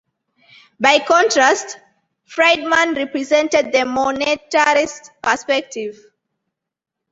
By contrast, Friedman represented the monetarist perspective.